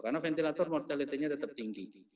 karena ventilator mortality nya tetap tinggi